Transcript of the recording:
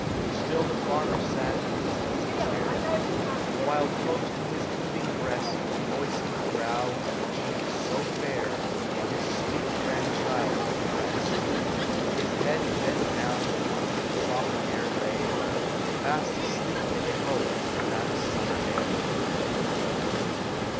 Still the farmer sat in his easy chair, While close to his heaving breast The moistened brow and the cheek so fair Of his sweet grandchild were pressed; His head, bent down, on her soft hair lay: Fast asleep were they both, that summer day